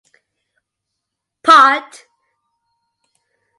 Pt.